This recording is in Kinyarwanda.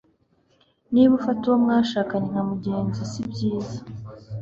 Niba ufata uwo mwashakanye nka mugenzi sbyiza